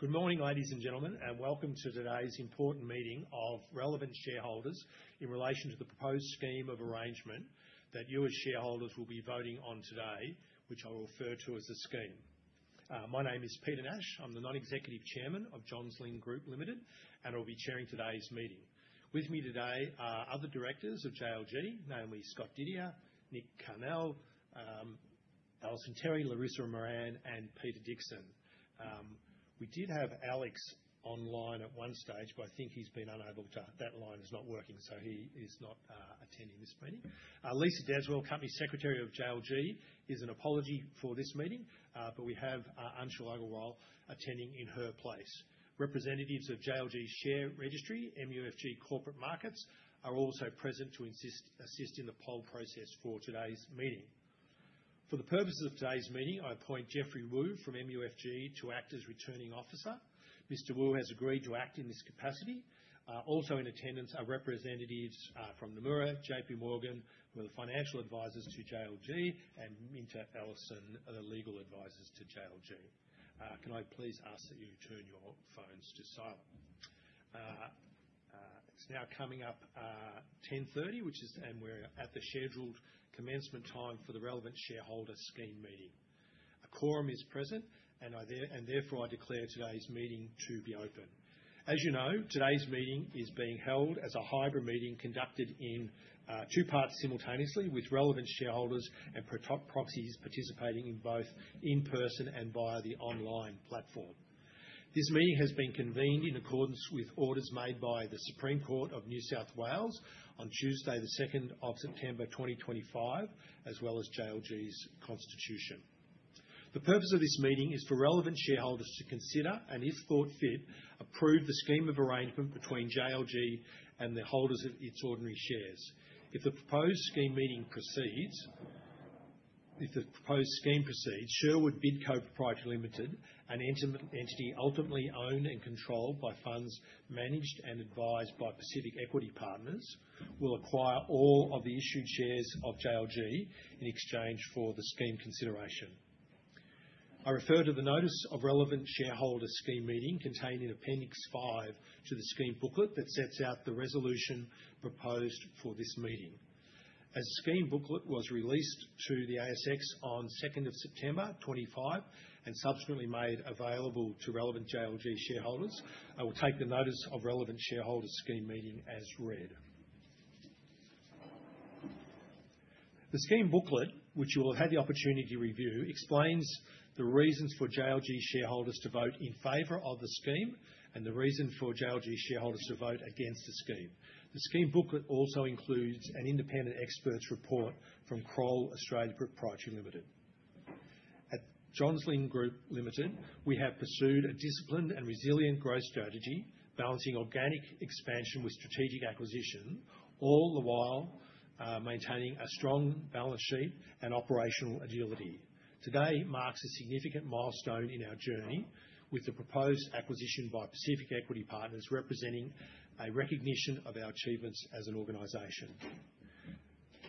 Good morning, ladies and gentlemen, and welcome to today's important meeting of relevant shareholders in relation to the proposed scheme of arrangement that you as shareholders will be voting on today, which I will refer to as the scheme. My name is Peter Nash. I'm the Non-Executive Chairman of Johns Lyng Group Ltd, and I'll be chairing today's meeting. With me today are other directors of JLG, namely Scott Didier, Nick Carnell, Alison Terry, Larisa Moran, and Peter Dixon. We did have Alex online at one stage, but I think he's been unable - that line is not working, so he is not attending this meeting. Lisa Dadswell, Company Secretary of JLG, is an apology for this meeting, but we have Anshul Agrawal attending in her place. Representatives of JLG's share registry, MUFG Corporate Markets, are also present to assist in the poll process for today's meeting. For the purposes of today's meeting, I appoint Jeffrey Wu from MUFG to act as returning officer. Mr. Wu has agreed to act in this capacity. Also in attendance are representatives from Nomura, JPMorgan, who are the financial advisors to JLG, and MinterEllison, the legal advisors to JLG. Can I please ask that you turn your phones to silent? It's now coming up 10:30 A.M., and we're at the scheduled commencement time for the Relevant Shareholder Scheme Meeting. A quorum is present, and therefore I declare today's meeting to be open. As you know, today's meeting is being held as a hybrid meeting conducted in two parts simultaneously, with relevant shareholders and proxies participating in both in-person and via the online platform. This meeting has been convened in accordance with orders made by the Supreme Court of New South Wales on Tuesday, the 2nd of September 2025, as well as JLG's constitution. The purpose of this meeting is for relevant shareholders to consider and, if thought fit, approve the scheme of arrangement between JLG and the holders of its ordinary shares. If the proposed scheme proceeds, Sherwood BidCo Pty Ltd, an entity ultimately owned and controlled by funds managed and advised by Pacific Equity Partners, will acquire all of the issued shares of JLG in exchange for the scheme consideration. I refer to the notice of Relevant Shareholder Scheme Meeting contained in Appendix 5 to the Scheme Booklet that sets out the resolution proposed for this meeting. As the Scheme Booklet was released to the ASX on 2nd of September 2025 and subsequently made available to relevant JLG shareholders, I will take the notice of Relevant Shareholder Scheme Meeting as read. The Scheme Booklet, which you will have the opportunity to review, explains the reasons for JLG shareholders to vote in favor of the scheme and the reason for JLG shareholders to vote against the scheme. The Scheme Booklet also includes an independent experts' report from Kroll Australia Pty Ltd. At Johns Lyng Group Ltd, we have pursued a disciplined and resilient growth strategy, balancing organic expansion with strategic acquisition, all the while maintaining a strong balance sheet and operational agility. Today marks a significant milestone in our journey, with the proposed acquisition by Pacific Equity Partners representing a recognition of our achievements as an organization.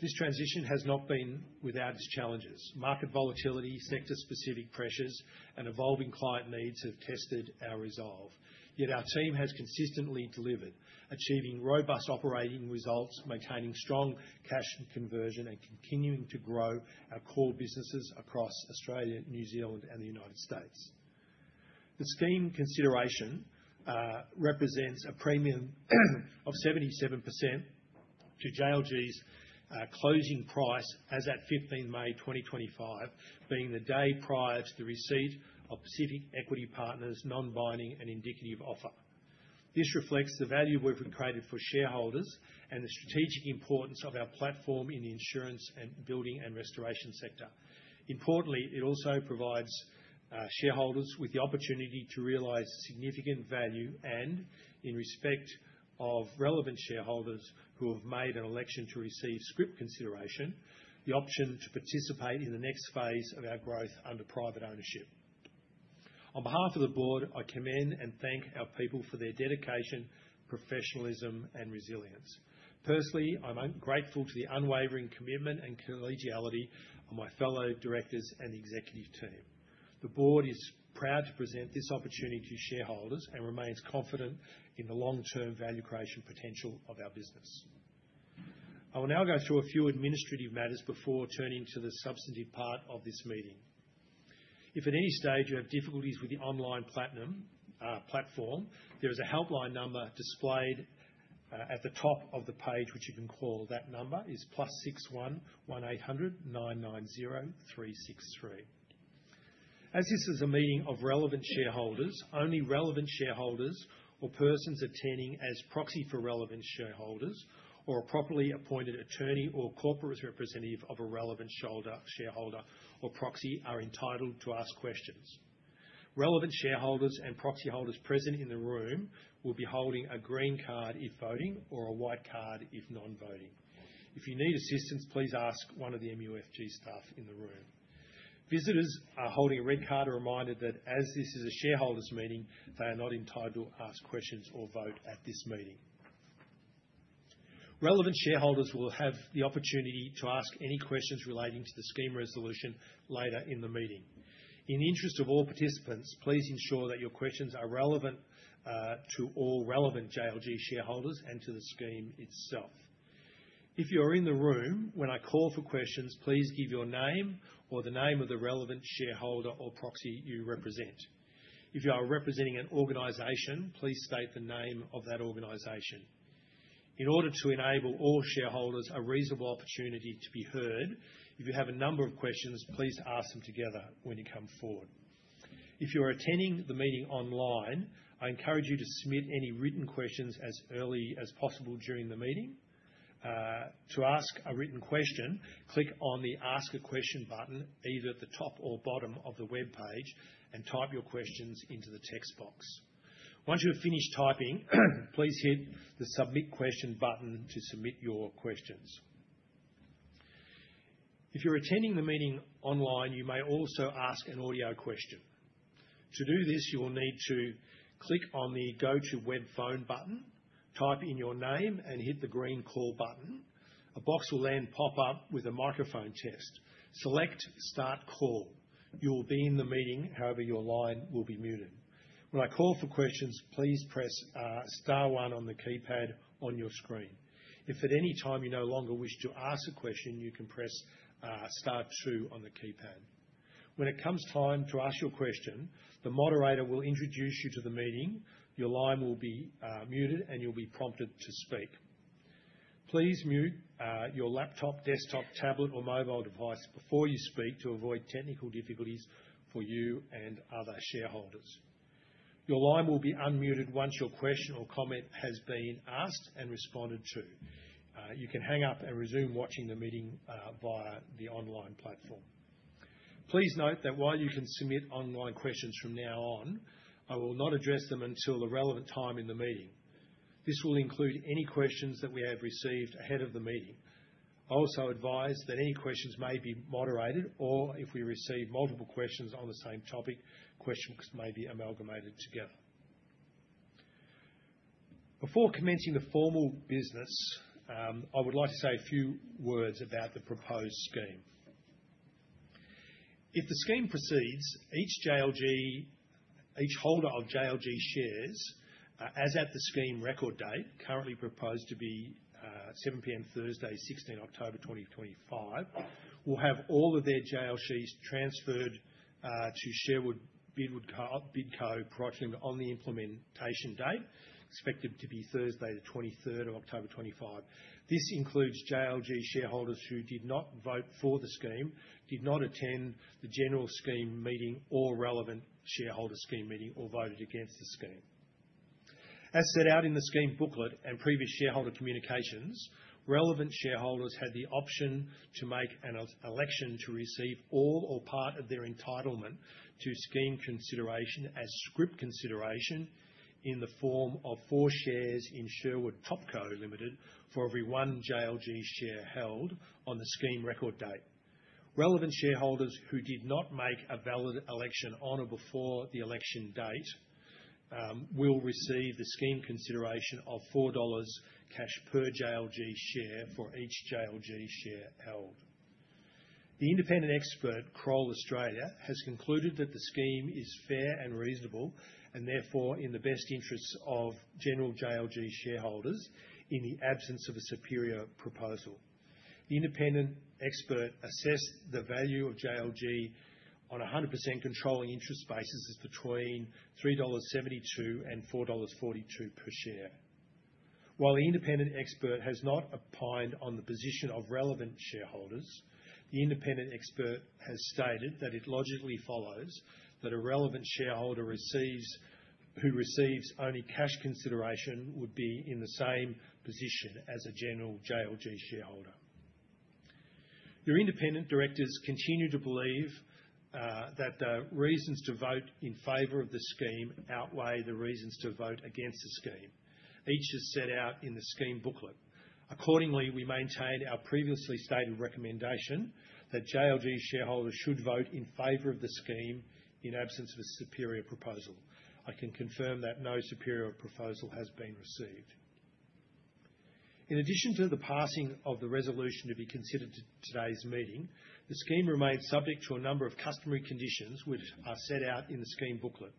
This transition has not been without its challenges. Market volatility, sector-specific pressures, and evolving client needs have tested our resolve. Yet our team has consistently delivered, achieving robust operating results, maintaining strong cash conversion, and continuing to grow our core businesses across Australia, New Zealand, and the United States. The scheme consideration represents a premium of 77% to JLG's closing price as at 15 May 2025, being the day prior to the receipt of Pacific Equity Partners' non-binding and indicative offer. This reflects the value we've created for shareholders and the strategic importance of our platform in the insurance and building and restoration sector. Importantly, it also provides shareholders with the opportunity to realize significant value and, in respect of relevant shareholders who have made an election to receive scrip consideration, the option to participate in the next phase of our growth under private ownership. On behalf of the board, I commend and thank our people for their dedication, professionalism, and resilience. Personally, I'm grateful to the unwavering commitment and collegiality of my fellow directors and the executive team. The board is proud to present this opportunity to shareholders and remains confident in the long-term value creation potential of our business. I will now go through a few administrative matters before turning to the substantive part of this meeting. If at any stage you have difficulties with the online platform, there is a helpline number displayed at the top of the page which you can call. That number is +61 1800 990 363. As this is a meeting of relevant shareholders, only relevant shareholders or persons attending as proxy for relevant shareholders or a properly appointed attorney or corporate representative of a relevant shareholder or proxy are entitled to ask questions. Relevant shareholders and proxy holders present in the room will be holding a green card if voting or a white card if non-voting. If you need assistance, please ask one of the MUFG staff in the room. Visitors holding a red card are reminded that as this is a shareholders' meeting, they are not entitled to ask questions or vote at this meeting. Relevant shareholders will have the opportunity to ask any questions relating to the Scheme Resolution later in the meeting. In the interest of all participants, please ensure that your questions are relevant to all relevant JLG shareholders and to the scheme itself. If you are in the room, when I call for questions, please give your name or the name of the relevant shareholder or proxy you represent. If you are representing an organization, please state the name of that organization. In order to enable all shareholders a reasonable opportunity to be heard, if you have a number of questions, please ask them together when you come forward. If you are attending the meeting online, I encourage you to submit any written questions as early as possible during the meeting. To ask a written question, click on the Ask a Question button either at the top or bottom of the web page and type your questions into the text box. Once you have finished typing, please hit the Submit Question button to submit your questions. If you're attending the meeting online, you may also ask an audio question. To do this, you will need to click on the Go to Web Phone button, type in your name, and hit the green Call button. A box will then pop up with a microphone test. Select Start Call. You will be in the meeting. However, your line will be muted. When I call for questions, please press star one on the keypad on your screen. If at any time you no longer wish to ask a question, you can press star two on the keypad. When it comes time to ask your question, the moderator will introduce you to the meeting. Your line will be muted, and you'll be prompted to speak. Please mute your laptop, desktop, tablet, or mobile device before you speak to avoid technical difficulties for you and other shareholders. Your line will be unmuted once your question or comment has been asked and responded to. You can hang up and resume watching the meeting via the online platform. Please note that while you can submit online questions from now on, I will not address them until the relevant time in the meeting. This will include any questions that we have received ahead of the meeting. I also advise that any questions may be moderated, or if we receive multiple questions on the same topic, questions may be amalgamated together. Before commencing the formal business, I would like to say a few words about the proposed scheme. If the scheme proceeds, each holder of JLG shares, as at the scheme record date, currently proposed to be 7:00 P.M. Thursday, 16 October 2025, will have all of their JLGs transferred to Sherwood BidCo Pty Ltd on the implementation date, expected to be Thursday, the 23rd of October 2025. This includes JLG shareholders who did not vote for the scheme, did not attend the General Scheme Meeting or Relevant Shareholder Scheme Meeting, or voted against the scheme. As set out in the Scheme Booklet and previous shareholder communications, relevant shareholders had the option to make an election to receive all or part of their entitlement to scheme consideration as scrip consideration in the form of four shares in Sherwood Topco Ltd for every one JLG share held on the scheme record date. Relevant shareholders who did not make a valid election on or before the election date will receive the scheme consideration of $4 cash per JLG share for each JLG share held. The independent expert, Kroll Australia, has concluded that the scheme is fair and reasonable and therefore in the best interests of general JLG shareholders in the absence of a superior proposal. The independent expert assessed the value of JLG on a 100% controlling interest basis between $3.72 and $4.42 per share. While the independent expert has not opined on the position of relevant shareholders, the independent expert has stated that it logically follows that a relevant shareholder who receives only cash consideration would be in the same position as a general JLG shareholder. The independent directors continue to believe that the reasons to vote in favor of the scheme outweigh the reasons to vote against the scheme. Each is set out in the Scheme Booklet. Accordingly, we maintain our previously stated recommendation that JLG shareholders should vote in favor of the scheme in absence of a superior proposal. I can confirm that no superior proposal has been received. In addition to the passing of the resolution to be considered today's meeting, the scheme remains subject to a number of customary conditions which are set out in the Scheme Booklet.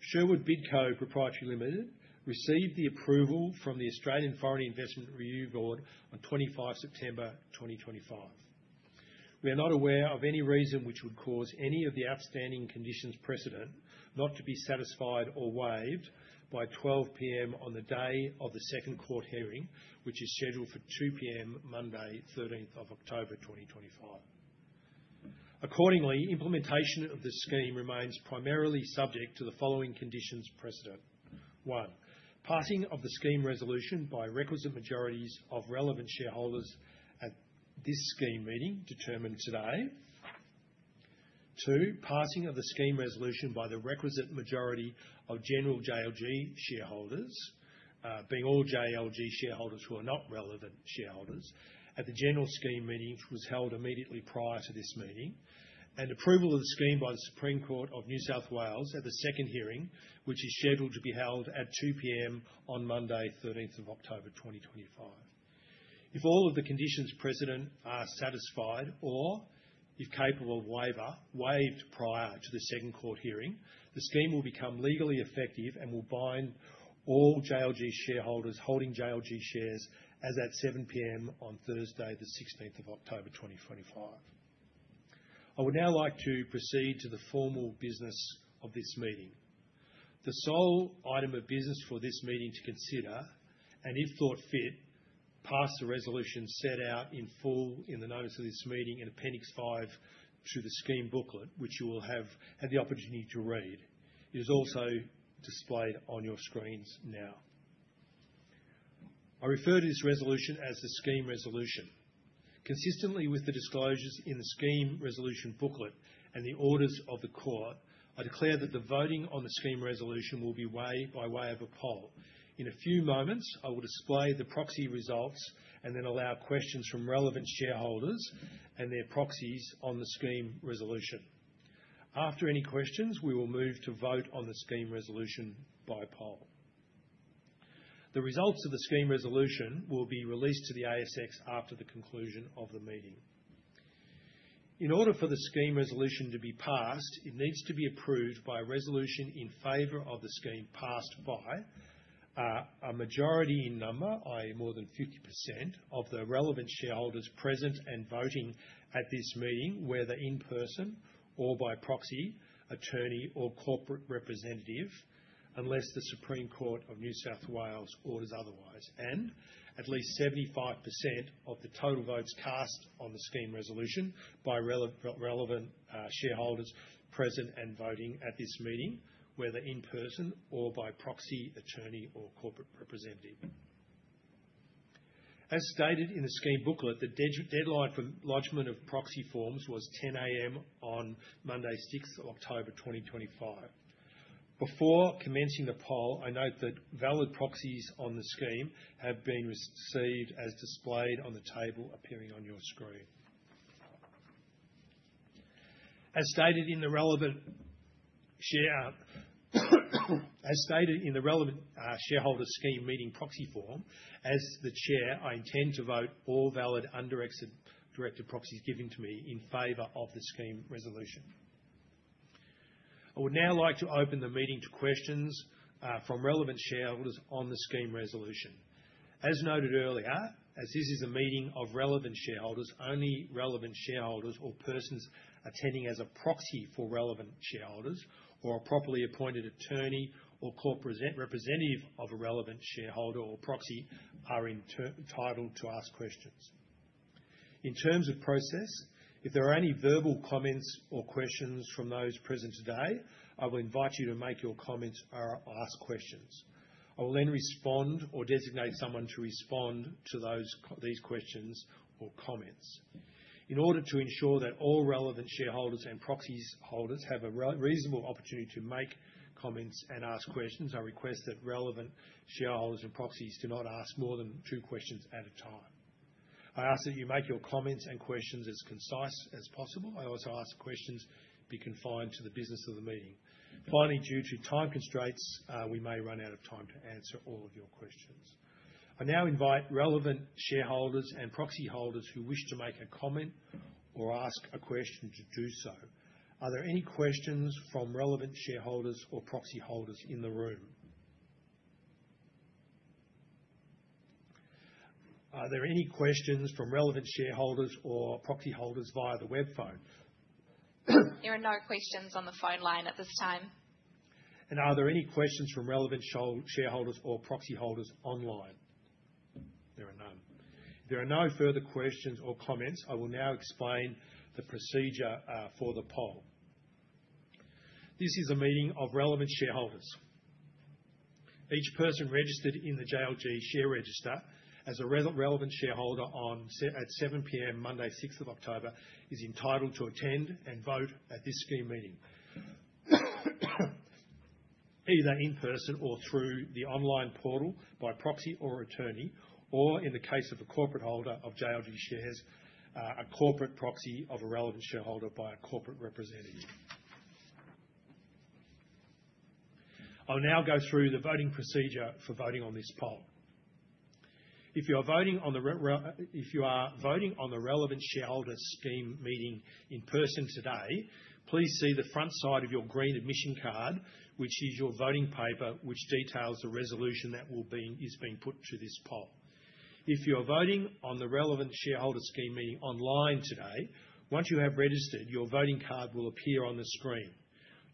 Sherwood BidCo Pty Ltd received the approval from the Australian Foreign Investment Review Board on 25 September 2025. We are not aware of any reason which would cause any of the outstanding conditions precedent not to be satisfied or waived by 12:00 P.M. on the day of the second court hearing, which is scheduled for 2:00 P.M. Monday, 13th of October 2025. Accordingly, implementation of the scheme remains primarily subject to the following conditions precedent: one, passing of the Scheme Resolution by requisite majorities of relevant shareholders at this scheme meeting determined today, two, passing of the Scheme Resolution by the requisite majority of general JLG shareholders, being all JLG shareholders who are not relevant shareholders, at the General Scheme Meeting which was held immediately prior to this meeting, and approval of the scheme by the Supreme Court of New South Wales at the second hearing, which is scheduled to be held at 2:00 P.M. on Monday, the 13th of October 2025. If all of the conditions precedent are satisfied or, if capable, waived prior to the second court hearing, the scheme will become legally effective and will bind all JLG shareholders holding JLG shares as at 7:00 P.M. on Thursday, the 16th of October 2025. I would now like to proceed to the formal business of this meeting. The sole item of business for this meeting to consider, and if thought fit, pass the resolution set out in full in the notice of this meeting in Appendix 5 to the Scheme Booklet, which you will have had the opportunity to read. It is also displayed on your screens now. I refer to this resolution as the Scheme Resolution. Consistently with the disclosures in the Scheme Resolution Booklet and the orders of the court, I declare that the voting on the Scheme Resolution will be by way of a poll. In a few moments, I will display the proxy results and then allow questions from Relevant Shareholders and their proxies on the Scheme Resolution. After any questions, we will move to vote on the Scheme Resolution by poll. The results of the Scheme Resolution will be released to the ASX after the conclusion of the meeting. In order for the Scheme Resolution to be passed, it needs to be approved by a resolution in favor of the scheme passed by a majority in number, i.e., more than 50%, of the relevant shareholders present and voting at this meeting, whether in person or by proxy, attorney, or corporate representative, unless the Supreme Court of New South Wales orders otherwise, and at least 75% of the total votes cast on the Scheme Resolution by relevant shareholders present and voting at this meeting, whether in person or by proxy, attorney, or corporate representative. As stated in the Scheme Booklet, the deadline for lodgment of proxy forms was 10:00 A.M. on Monday, 6th of October 2025. Before commencing the poll, I note that valid proxies on the scheme have been received as displayed on the table appearing on your screen. As stated in the Relevant Shareholder Scheme Meeting proxy form, as the Chair, I intend to vote all valid undirected proxies given to me in favor of the Scheme Resolution. I would now like to open the meeting to questions from relevant shareholders on the Scheme Resolution. As noted earlier, as this is a meeting of relevant shareholders, only relevant shareholders or persons attending as a proxy for relevant shareholders or a properly appointed attorney or corporate representative of a relevant shareholder or proxy are entitled to ask questions. In terms of process, if there are any verbal comments or questions from those present today, I will invite you to make your comments or ask questions. I will then respond or designate someone to respond to these questions or comments. In order to ensure that all relevant shareholders and proxy holders have a reasonable opportunity to make comments and ask questions, I request that relevant shareholders and proxies do not ask more than two questions at a time. I ask that you make your comments and questions as concise as possible. I also ask that questions be confined to the business of the meeting. Finally, due to time constraints, we may run out of time to answer all of your questions. I now invite relevant shareholders and proxy holders who wish to make a comment or ask a question to do so. Are there any questions from relevant shareholders or proxy holders in the room? Are there any questions from relevant shareholders or proxy holders via the web phone? There are no questions on the phone line at this time. And are there any questions from relevant shareholders or proxy holders online? There are none. If there are no further questions or comments, I will now explain the procedure for the poll. This is a meeting of relevant shareholders. Each person registered in the JLG share register as a relevant shareholder at 7:00 P.M. Monday, 6th of October is entitled to attend and vote at this scheme meeting either in person or through the online portal by proxy or attorney, or in the case of a corporate holder of JLG shares, a corporate proxy of a relevant shareholder by a corporate representative. I'll now go through the voting procedure for voting on this poll. If you are voting on the Relevant Shareholder Scheme Meeting in person today, please see the front side of your green admission card, which is your voting paper, which details the resolution that is being put to this poll. If you are voting on the Relevant Shareholder Scheme Meeting online today, once you have registered, your voting card will appear on the screen.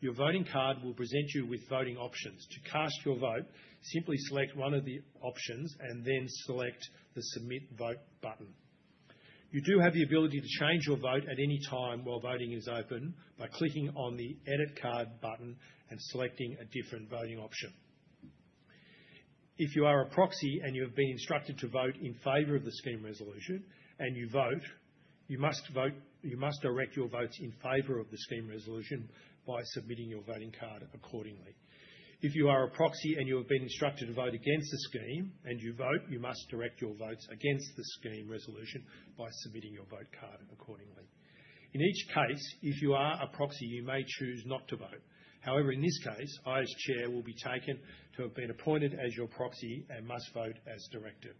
Your voting card will present you with voting options. To cast your vote, simply select one of the options and then select the Submit Vote button. You do have the ability to change your vote at any time while voting is open by clicking on the Edit Card button and selecting a different voting option. If you are a proxy and you have been instructed to vote in favor of the Scheme Resolution and you vote, you must direct your votes in favor of the Scheme Resolution by submitting your voting card accordingly. If you are a proxy and you have been instructed to vote against the scheme and you vote, you must direct your votes against the Scheme Resolution by submitting your vote card accordingly. In each case, if you are a proxy, you may choose not to vote. However, in this case, I, as chair, will be taken to have been appointed as your proxy and must vote as directed.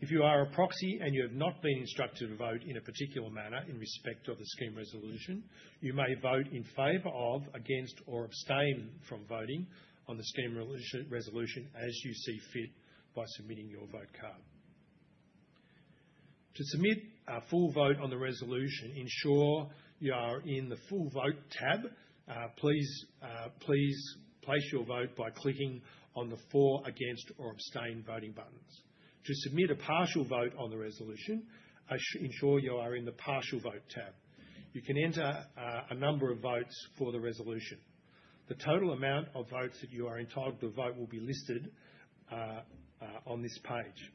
If you are a proxy and you have not been instructed to vote in a particular manner in respect of the Scheme Resolution, you may vote in favor of, against, or abstain from voting on the Scheme Resolution as you see fit by submitting your vote card. To submit a full vote on the resolution, ensure you are in the Full Vote tab. Please place your vote by clicking on the For, Against, or Abstain voting buttons. To submit a partial vote on the resolution, ensure you are in the Partial Vote tab. You can enter a number of votes for the resolution. The total amount of votes that you are entitled to vote will be listed on this page.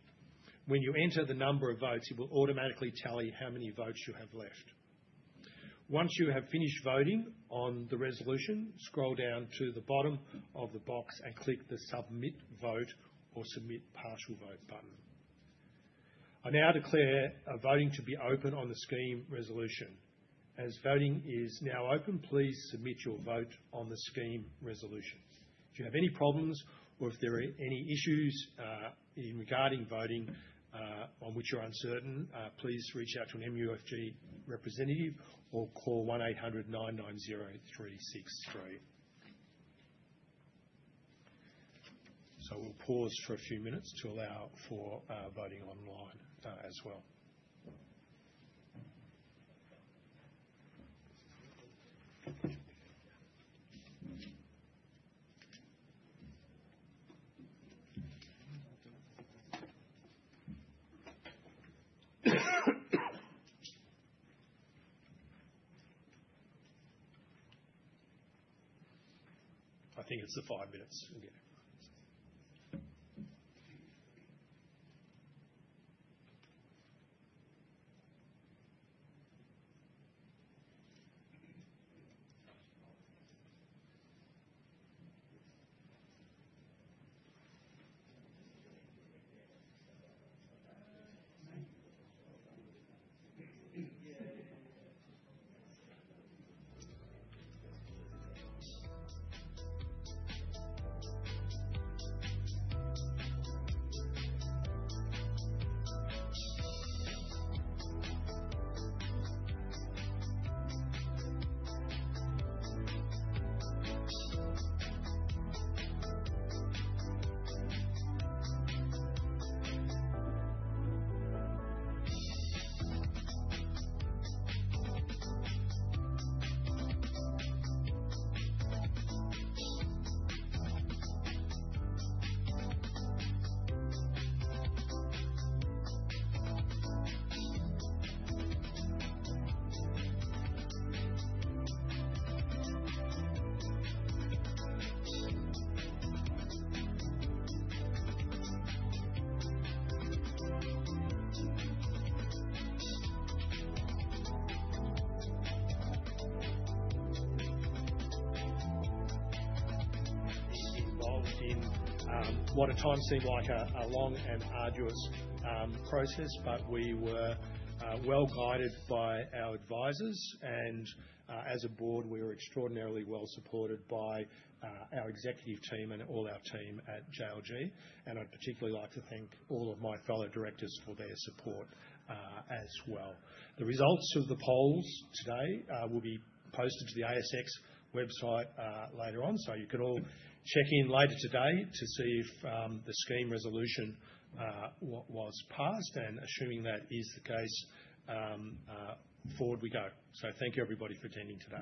When you enter the number of votes, it will automatically tell you how many votes you have left. Once you have finished voting on the resolution, scroll down to the bottom of the box and click the Submit Vote or Submit Partial Vote button. I now declare voting to be open on the Scheme Resolution. As voting is now open, please submit your vote on the Scheme Resolution. If you have any problems or if there are any issues regarding voting on which you're uncertain, please reach out to an MUFG representative or call 1-800-990-363. So we'll pause for a few minutes to allow for voting online as well. I think it's the five minutes. This meeting has involved in what at times seemed like a long and arduous process, but we were well-guided by our advisors. And as a board, we were extraordinarily well-supported by our executive team and all our team at JLG. I'd particularly like to thank all of my fellow directors for their support as well. The results of the polls today will be posted to the ASX website later on, so you can all check in later today to see if the Scheme Resolution was passed. Assuming that is the case, forward we go. Thank you, everybody, for attending today.